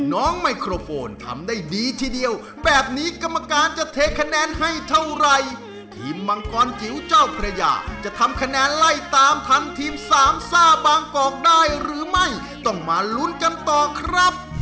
ไมโครโฟนทำได้ดีทีเดียวแบบนี้กรรมการจะเทคะแนนให้เท่าไรทีมมังกรจิ๋วเจ้าพระยาจะทำคะแนนไล่ตามทันทีมสามซ่าบางกอกได้หรือไม่ต้องมาลุ้นกันต่อครับ